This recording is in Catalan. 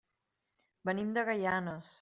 Venim de Gaianes.